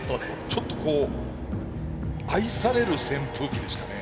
ちょっとこう愛される扇風機でしたね。